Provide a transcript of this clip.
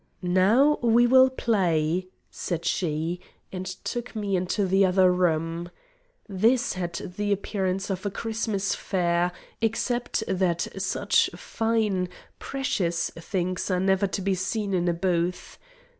"Now we will play," said she, and took me into the other room. This had the appearance of a Christmas fair, except that such fine, precious things are never to be seen in a booth.